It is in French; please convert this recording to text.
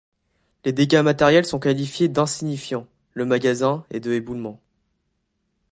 Les dégâts matériels sont qualifiés d'insignifiants, le magasin et deux éboulements.